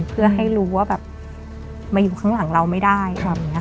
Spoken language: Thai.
เพื่อให้รู้ว่าแบบมาอยู่ข้างหลังเราไม่ได้